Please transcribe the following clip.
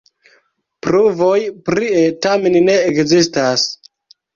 Pruvoj prie tamen ne ekzistas.